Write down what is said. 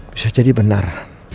bisa jadi benar